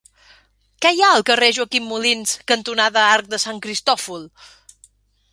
Què hi ha al carrer Joaquim Molins cantonada Arc de Sant Cristòfol?